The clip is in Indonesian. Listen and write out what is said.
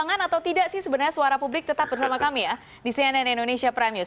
tantangan atau tidak sih sebenarnya suara publik tetap bersama kami ya di cnn indonesia prime news